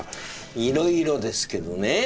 いろいろですけどね。